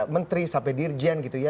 menteri sampai dirjen gitu ya